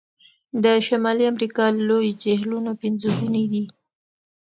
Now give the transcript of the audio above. د شمالي امریکا لوی جهیلونه پنځګوني دي.